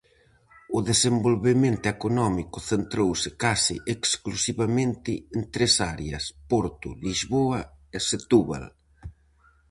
O desenvolvemento económico centrouse case exclusivamente en tres áreas: Porto, Lisboa e Setúbal.